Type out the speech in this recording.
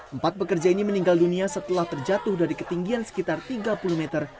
empat pekerja ini meninggal dunia setelah terjatuh dari ketinggian sekitar tiga puluh meter